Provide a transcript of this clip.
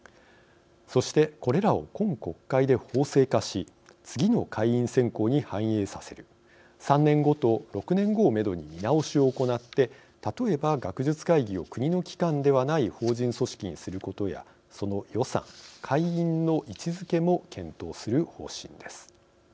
そして、これらを今国会で法制化し次の会員選考に反映させる３年後と６年後をめどに見直しを行って例えば、学術会議を国の機関ではない法人組織にすることやその予算・会員の位置づけも検討する方針です。